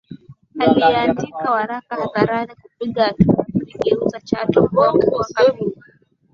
aliyeandika waraka hadharani kupinga hatua ya kuigeuza Chato kuwa mkoa kamili